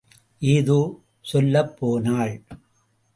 ஏதோ சொல்லப் போனாள்.